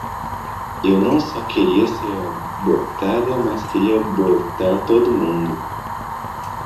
Eu não só queria ser abortada mas queria abortar todo mundo!